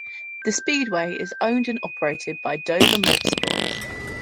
The speedway is owned and operated by Dover Motorsports.